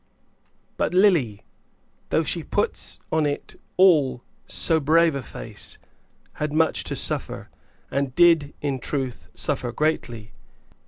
But Lily, though she put on it all so brave a face, had much to suffer, and did in truth suffer greatly.